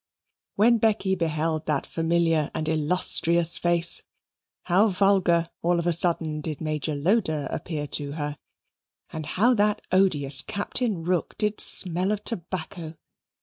When Becky beheld that familiar and illustrious face, how vulgar all of a sudden did Major Loder appear to her, and how that odious Captain Rook did smell of tobacco!